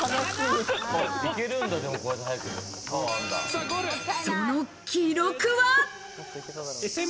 その記録は。